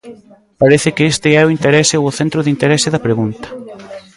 Parece que este é o interese ou o centro de interese da pregunta.